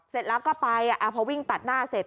เสร็จแล้วก็ไปพอวิ่งตัดหน้าเสร็จ